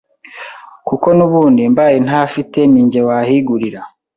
kuko n’ubundi mbaye ntahafite ninjye wahigurira